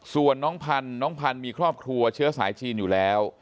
ส่วนน้องพันมีครอบครัวเชื้อสายจีนอยู่แล้ว